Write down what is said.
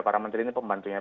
para menteri ini pembantunya